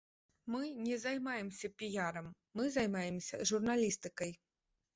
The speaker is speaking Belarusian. Мы не займаемся піярам, мы займаемся журналістыкай.